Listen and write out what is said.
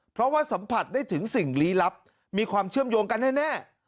เพราะว่าสัมผัสได้ถึงสิ่งลี้ลับมีความเชื่อมโยงกันแน่